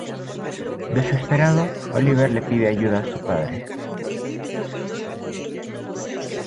Desesperado, Oliver le pide ayuda a su padre.